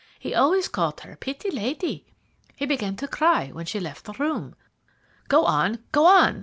He always called her 'Pitty lady.' He began to cry when she left the room." "Go on! go on!"